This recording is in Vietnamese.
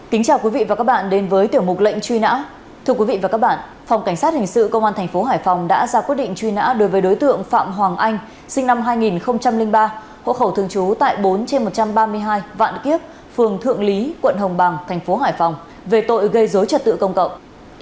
phần cuối là những thông tin truy nã đối với đối tượng phạm hoàng anh sinh năm hai nghìn ba hộ khẩu thường chú tại bốn trên một trăm ba mươi hai vạn kiếp phường thượng lý quận hồng bằng tp hải phòng về tội gây dối trật tự công cộng